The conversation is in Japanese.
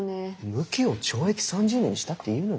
無期を懲役３０年にしたっていうのに？